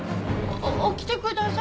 起きてください。